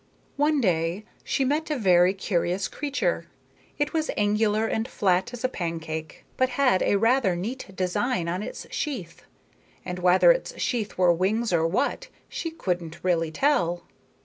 One day she met a very curious creature. It was angular and flat as a pancake, but had a rather neat design on its sheath; and whether its sheath were wings or what, you couldn't really tell.